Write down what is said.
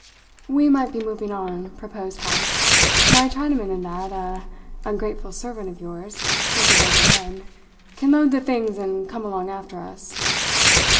"We might be moving on," proposed Heyst. "My Chinaman and that ah ungrateful servant of yours, with the broken head, can load the things and come along after us."